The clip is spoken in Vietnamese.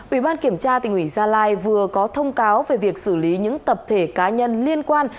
ủy ban kiểm tra tỉnh ủy gia lai vừa có thông cáo về việc xử lý những tập thể cá nhân liên quan